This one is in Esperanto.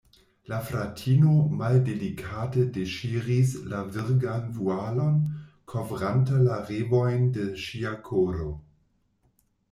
La fratino maldelikate deŝiris la virgan vualon, kovranta la revojn de ŝia koro.